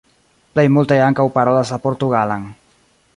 Plej multaj ankaŭ parolas la portugalan.